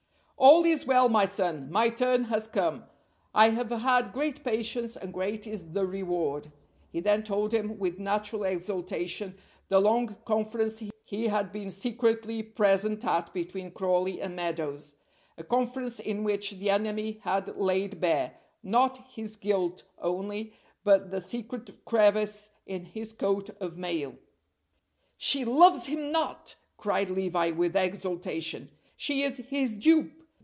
"All is well, my son. My turn has come. I have had great patience, and great is the reward." He then told him with natural exultation the long conference he had been secretly present at between Crawley and Meadows a conference in which the enemy had laid bare, not his guilt only, but the secret crevice in his coat of mail. "She loves him not!" cried Levi, with exultation. "She is his dupe!